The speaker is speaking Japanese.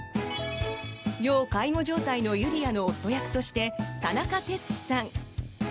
要介護状態のゆりあの夫役として田中哲司さん。